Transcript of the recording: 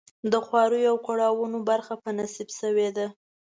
د خواریو او کړاوونو برخه په نصیب شوې ده.